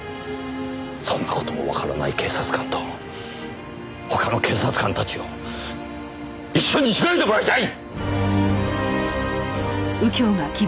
そんな事もわからない警察官と他の警察官たちを一緒にしないでもらいたい！